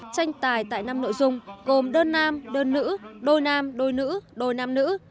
tranh tài tại năm nội dung gồm đơn nam đơn nữ đôi nam đôi nữ đôi nam nữ